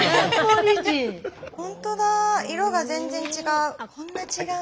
ほんとだ色が全然違う。